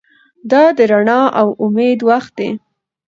دا د رڼا او امید وخت دی.